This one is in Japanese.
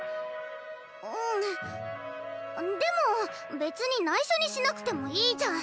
うんでも別にないしょにしなくてもいいじゃん。